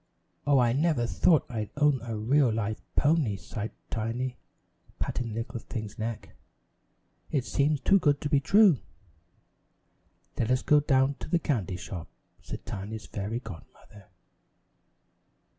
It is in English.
"Oh, I never thought I'd own a real live pony," sighed Tiny, patting the little thing's neck. "It seems too good to be true." "Let us go down to the candy shop," said Tiny's fairy godmother.